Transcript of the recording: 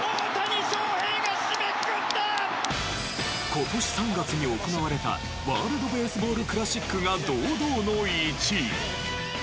今年３月に行われたワールドベースボールクラシックが堂々の１位。